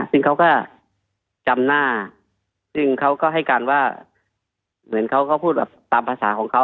ซึ่งเขาก็จำหน้าซึ่งเขาก็ให้การว่าเหมือนเขาก็พูดแบบตามภาษาของเขา